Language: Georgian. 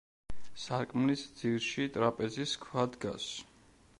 სარკმლის ძირში ტრაპეზის ქვა დგას.